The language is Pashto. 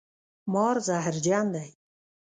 مار زهرجن دی